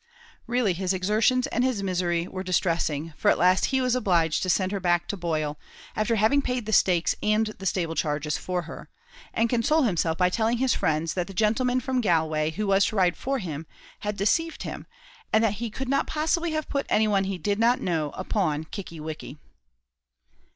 Really, his exertions and his misery were distressing, for at last he was obliged to send her back to Boyle, after having paid the stakes and the stable charges for her, and console himself by telling his friends that the gentleman from Galway, who was to ride for him, had deceived him, and that he could not possibly have put any one he did not know upon Kickie wickie.